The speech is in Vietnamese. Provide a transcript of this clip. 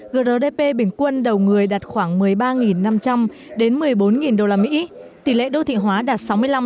grdp bình quân đầu người đạt khoảng một mươi ba năm trăm linh một mươi bốn usd tỷ lệ đô thị hóa đạt sáu mươi năm